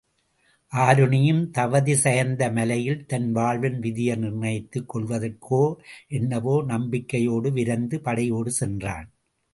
ஆருணியும் தவதிசயந்த மலையில் தன் வாழ்வின் விதியை நிர்ணயித்துக் கொள்ளுவதற்கோ என்னவோ, நம்பிக்கையோடு விரைந்து படையோடு சென்றான்.